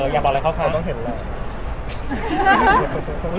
อยากบอกอะไรเข้าใครต้องเห็นเลย